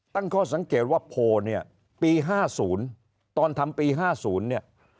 ตั้งข้อสังเกตว่าโพลปี๕๐ตอนทำปี๕๐